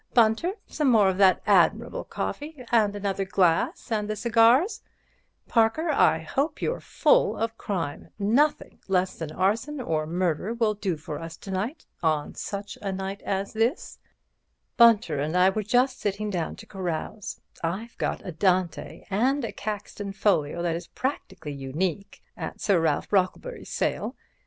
Bunter, some more of that admirable coffee and another glass and the cigars. Parker, I hope you're full of crime—nothing less than arson or murder will do for us to night. 'On such a night as this—' Bunter and I were just sitting down to carouse. I've got a Dante, and a Caxton folio that is practically unique, at Sir Ralph Brocklebury's sale.